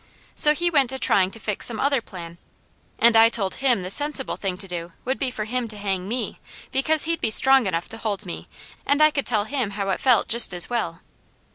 So he went to trying to fix some other plan, and I told him the sensible thing to do would be for him to hang me, because he'd be strong enough to hold me and I could tell him how it felt just as well.